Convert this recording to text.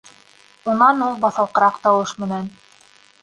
Унан ул баҫалҡыраҡ тауыш менән: